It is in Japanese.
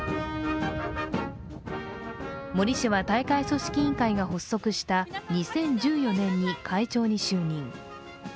森氏は大会組織委員会が発足した２０１４年に会長に就任。